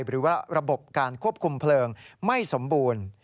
หรือว่าระบบการควบคุมเพลิงไม่สมบูรณ์